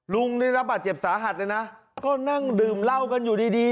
ลุงได้รับบาดเจ็บสาหัสเลยนะก็นั่งดื่มเหล้ากันอยู่ดีดี